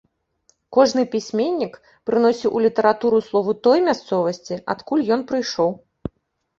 Кожны пісьменнік прыносіў у літаратуру словы той мясцовасці, адкуль ён прыйшоў.